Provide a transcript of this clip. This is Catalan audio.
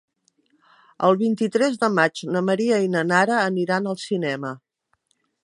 El vint-i-tres de maig na Maria i na Nara aniran al cinema.